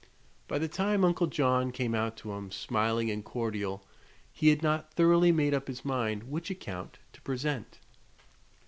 By the time Uncle John came out to him, smiling and cordial, he had not thoroughly made up his mind which account to present.